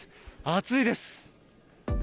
暑いです。